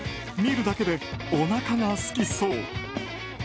見るだけでおなかがすきそう。